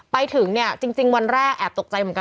ไปถึงเนี่ยจริงวันแรกแอบตกใจเหมือนกัน